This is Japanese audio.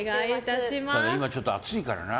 今ちょっと暑いからな。